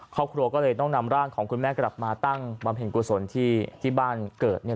ครอบครัวก็เลยต้องนำร่างของคุณแม่กลับมาตั้งบำเพ็ญกุศลที่บ้านเกิดเนี่ย